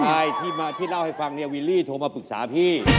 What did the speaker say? ไม่ใช่ที่เล่าให้ฟังวิลลี่โทรมาปรึกษาพี่